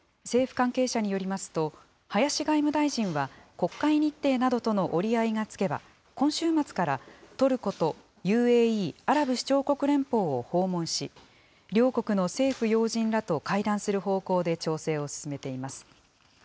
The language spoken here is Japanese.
政府関係者によりますと、林外務大臣は国会日程などとの折り合いがつけば、今週末から、トルコとＵＡＥ・アラブ首長国連邦を訪問し、両国の政府要人らと会談する方向で調整を進めています。